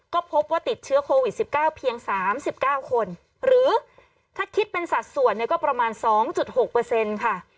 ก็พบว่าติดเชื้อโควิด๑๙เพียง๓๙คนหรือถ้าคิดเป็นสัดส่วนเนี่ยก็ประมาณ๒๖ค่ะ